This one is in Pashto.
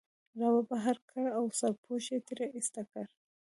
را وبهر کړ او سرپوښ یې ترې ایسته کړ.